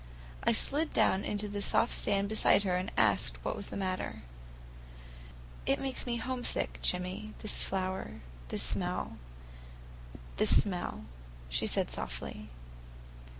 I slid down into the soft sand beside her and asked her what was the matter. "It makes me homesick, Jimmy, this flower, this smell," she said softly.